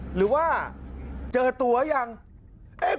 หรือว่าเจอตัวยัง